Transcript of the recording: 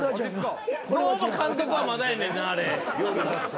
どうも監督はまだやねんなあれ。